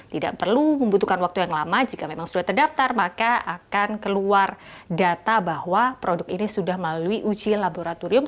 tidak perlu membutuhkan waktu yang lama jika memang sudah terdaftar maka akan keluar data bahwa produk ini sudah melalui uji laboratorium